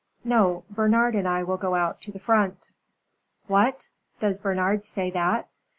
"No. Bernard and I will go out to the Front." "What! Does Bernard say that?"